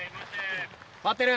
回ってる。